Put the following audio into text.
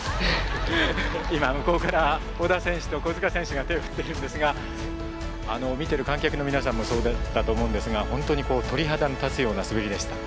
今向こうから織田選手と小塚選手が手を振ってるんですが見てる観客の皆さんもそうだと思うんですが本当に鳥肌の立つような滑りでした。